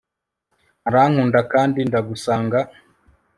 urankunda, kandi ndagusanga